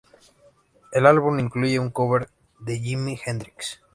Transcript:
El álbum incluye un cover de Jimi Hendrix.